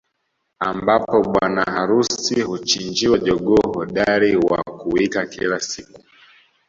Ambapo bwana harusi huchinjiwa jogoo hodari wa kuwika kila siku